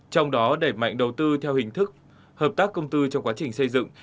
trong đó đẩy mạnh đầu tư theo hình thức hợp tác công tư trong quá trình xây dựng